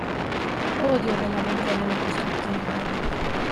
Odio le lamentele non costruttive.